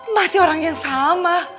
masih orang yang sama